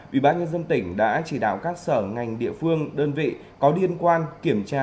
ủy ban nhân dân tỉnh đã chỉ đạo các sở ngành địa phương đơn vị có liên quan kiểm tra